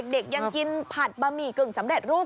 ยังกินผัดบะหมี่กึ่งสำเร็จรูป